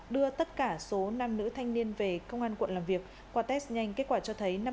đưa tất cả số nam nữ thanh niên về công an quận làm việc qua test nhanh kết quả cho thấy